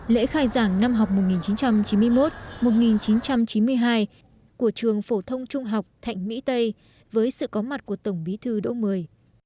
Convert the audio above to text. lễ khai giảng năm học một nghìn chín trăm chín mươi một một nghìn chín trăm chín mươi hai của trường phổ thông trung học thạnh mỹ tây với sự có mặt của tổng bí thư đỗ mười